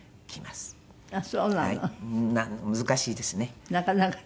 難しいですね。